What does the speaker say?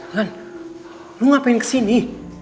lu ngapain kesini